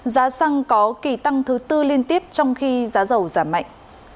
giá xăng có kỳ tăng thứ tư liên tiếp trong khi giá dầu giảm mạnh